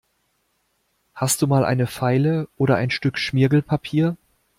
Hast du mal eine Feile oder ein Stück Schmirgelpapier?